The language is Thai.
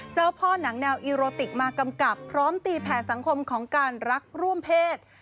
เจ้าพ่อหนังแนวอีโรติกมากำกับพร้อมตีแผ่สังคมของการรักร่วมเพศ